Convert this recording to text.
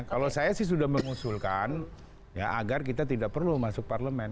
kalau saya sih sudah mengusulkan ya agar kita tidak perlu masuk parlemen